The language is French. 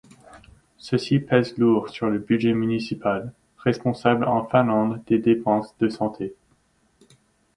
Ceci pèse lourd sur le budget municipal, responsable en Finlande des dépenses de santé.